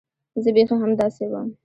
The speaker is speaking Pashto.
زه بيخي همداسې وم.